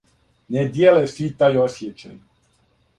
Не дијеле сви тај осјећај.